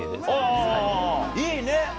いいね。